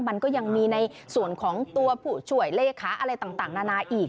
มันก็ยังมีในส่วนของตัวผู้ช่วยเลขาอะไรต่างนานาอีก